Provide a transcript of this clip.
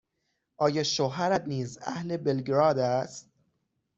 آیا شوهرت نیز اهل بلگراد است؟